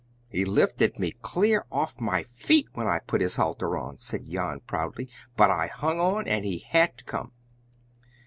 "He lifted me clear off my feet when I put his halter on," said Jan proudly, "but I hung on and he had to come!"